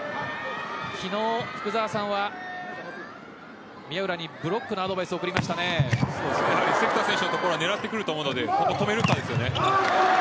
昨日、福澤さんは宮浦にブロックのアドバイスを関田選手の所を狙ってくると思うので止められるかですよね。